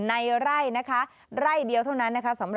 ในไร่นะคะ